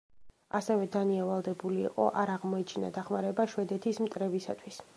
ასევე დანია ვალდებული იყო არ აღმოეჩინა დახმარება შვედეთის მტრებისათვის.